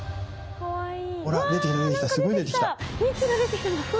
かわいい。